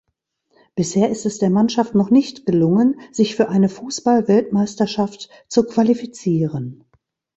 Bisher ist es der Mannschaft noch nicht gelungen, sich für eine Fußball-Weltmeisterschaft zu qualifizieren.